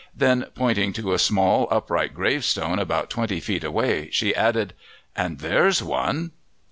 Then, pointing to a small, upright gravestone about twenty feet away, she added, "And there's one."